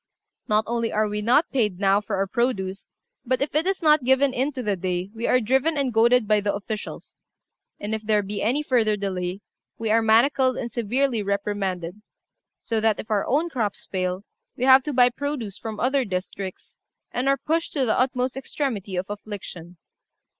Not only are we not paid now for our produce, but, if it is not given in to the day, we are driven and goaded by the officials; and if there be any further delay, we are manacled and severely reprimanded; so that if our own crops fail, we have to buy produce from other districts, and are pushed to the utmost extremity of affliction.